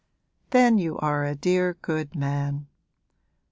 'Then you are a dear good man.